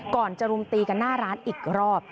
ก่อนจะรุมตีกันหน้าร้านอีกรอบ